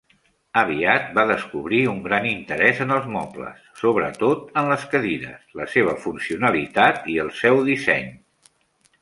Aviat va descobrir un gran interès en els mobles, sobretot en les cadires, la seva funcionalitat i el seu disseny.